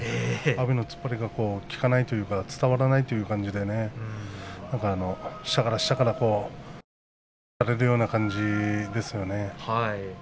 阿炎の突っ張りが効かないというか伝わらない感じで下から下から密着されるような感じですよね。